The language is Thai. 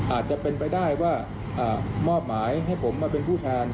อาจจะเป็นไปได้ว่ามอบหมายให้ผมมาเป็นผู้แทน